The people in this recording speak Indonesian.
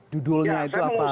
judulnya itu apa